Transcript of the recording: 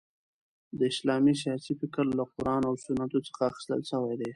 د اسلامی سیاسي فکر له قران او سنتو څخه اخیستل سوی دي.